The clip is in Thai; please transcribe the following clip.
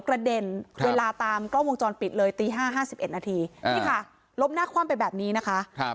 กระเด็นเวลาตามกล้องวงจรปิดเลยตี๕๕๑นาทีนี่ค่ะล้มหน้าคว่ำไปแบบนี้นะคะ